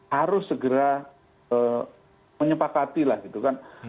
harus segera menyepakati lah gitu kan